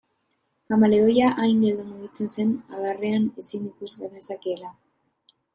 Kameleoia hain geldo mugitzen zen adarrean ezin ikus genezakeela.